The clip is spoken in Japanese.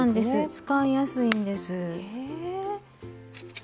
使いやすいんです。